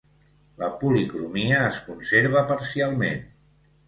La policromia es conserva parcialment.